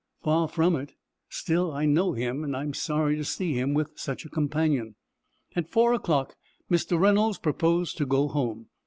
"Far from it. Still, I know him, and am sorry to see him with such a companion." At four o'clock Mr. Reynolds proposed to go home.